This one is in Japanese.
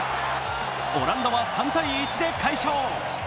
オランダは３−１で快勝。